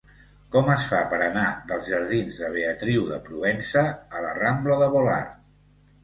Com es fa per anar dels jardins de Beatriu de Provença a la rambla de Volart?